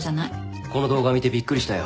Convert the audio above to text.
この動画見てびっくりしたよ。